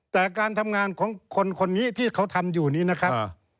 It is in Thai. แต่การทำงานของคนคนนี้ที่เขาทำอยู่นี้นะครับ